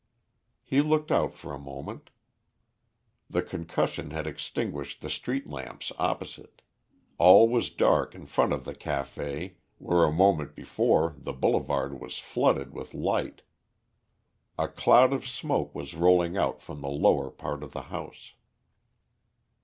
He looked out for a moment. The concussion had extinguished the street lamps opposite. All was dark in front of the café where a moment before the Boulevard was flooded with light. A cloud of smoke was rolling out from the lower part of the house.